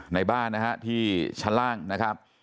ในบ้านนะฮะที่ชั้นล่างนะครับ